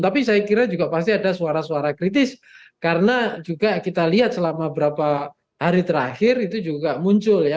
tapi saya kira juga pasti ada suara suara kritis karena juga kita lihat selama beberapa hari terakhir itu juga muncul ya